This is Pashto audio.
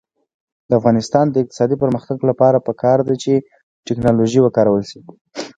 د افغانستان د اقتصادي پرمختګ لپاره پکار ده چې ټیکنالوژي وکارول شي.